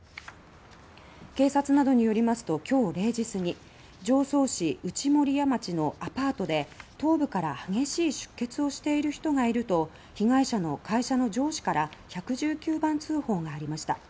警察などによりますと今日０時すぎ常総市内守谷町のアパートで「頭部から激しい出血をしている人がいる」と被害者の会社の上司から１１９番通報がありました。